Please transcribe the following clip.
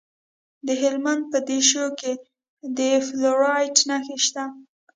د هلمند په دیشو کې د فلورایټ نښې شته.